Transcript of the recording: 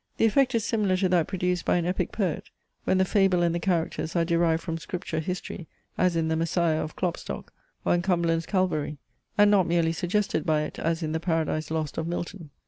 The effect is similar to that produced by an Epic Poet, when the fable and the characters are derived from Scripture history, as in THE MESSIAH of Klopstock, or in CUMBERLAND'S CALVARY; and not merely suggested by it as in the PARADISE LOST of Milton.